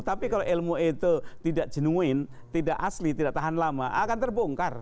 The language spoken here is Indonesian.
tapi kalau ilmu itu tidak genuin tidak asli tidak tahan lama akan terbongkar